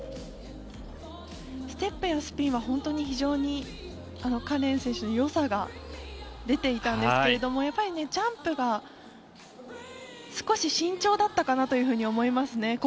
ステップやスピンは本当にカレン選手のよさが出ていたんですけれどもやっぱりジャンプが少し慎重だったかなと思いますね。